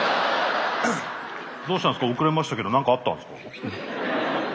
どうしたんすか遅れましたけど何かあったんすか？